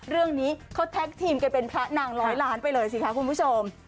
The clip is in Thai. เรื่องนี้เขาแท็กทีมกันเป็นพระนางร้อยล้านไปเลยสิคะคุณผู้ชม